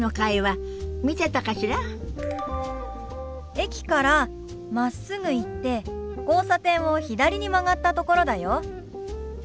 駅からまっすぐ行って交差点を左に曲がったところだよ。